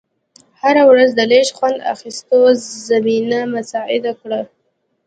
هره ورځ د لیږ خوند اخېستو زمینه مساعده کړه.